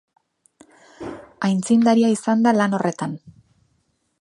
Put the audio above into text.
Aitzindaria izan da lan horretan.